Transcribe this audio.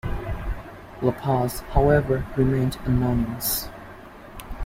LaPaz, however, remained anonymous.